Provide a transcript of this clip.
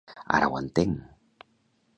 Ara ho entenc!